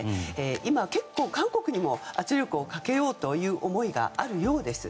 今、結構、韓国にも圧力をかけようという思いがあるようです。